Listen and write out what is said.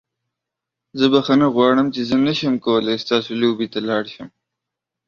زه بخښنه غواړم چې زه نشم کولی ستاسو لوبې ته لاړ شم.